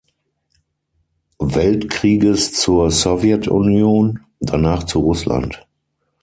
Weltkrieges zur Sowjetunion, danach zu Russland.